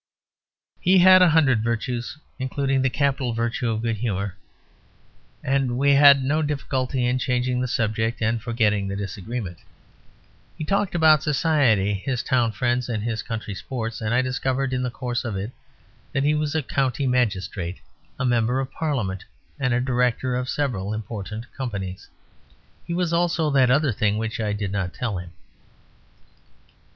He had a hundred virtues, including the capital virtue of good humour, and we had no difficulty in changing the subject and forgetting the disagreement. He talked about society, his town friends and his country sports, and I discovered in the course of it that he was a county magistrate, a Member of Parliament, and a director of several important companies. He was also that other thing, which I did not tell him.